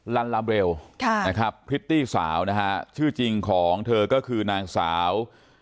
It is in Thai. ลัลลาเบลพริตตี้สาวชื่อจริงของเธอก็คือนางสาว